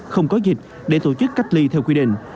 không có dịch để tổ chức cách ly theo quy định